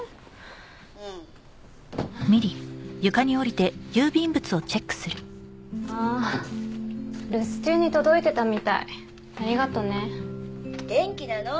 うんああー留守中に届いてたみたいありがとね元気なの？